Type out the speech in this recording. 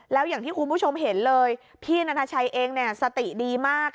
แล้วอย่างที่คุณผู้ชมเห็นเลยพี่นันทชัยเองสติดีมาก